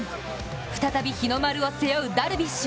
再び日の丸を背負うダルビッシュ